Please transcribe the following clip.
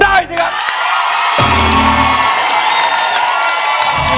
ได้สิครับ